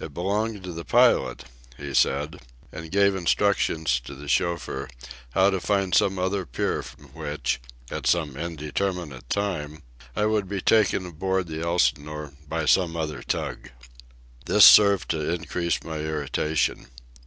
It belonged to the pilot, he said, and gave instructions to the chauffeur how to find some other pier from which, at some indeterminate time, I should be taken aboard the Elsinore by some other tug. This served to increase my irritation.